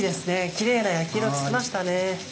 キレイな焼き色つきましたね。